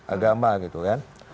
agama gitu kan